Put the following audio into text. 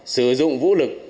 sử dụng vũ lực